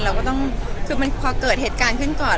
เราก็ต้องคือมันพอเกิดเหตุการณ์ขึ้นก่อน